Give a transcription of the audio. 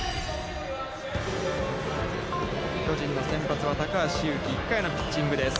巨人の先発は高橋優貴、１回のピッチングです。